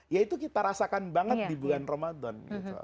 yaitu kita rasakan banget di bulan ramadan